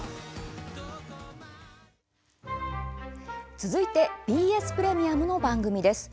続いてＢＳプレミアムの番組です。